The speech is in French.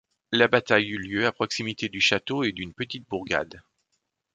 La bataille eut lieu à proximité du château et d'une petite bourgade.